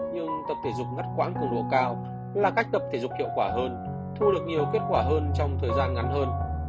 nhưng tập thể dục ngắt quãng cường độ cao là cách tập thể dục hiệu quả hơn thu được nhiều kết quả hơn trong thời gian ngắn hơn